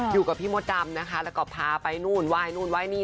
อยู่กับพี่มดดำนะคะแล้วก็พาไปนู่นไหว้นู่นไหว้นี่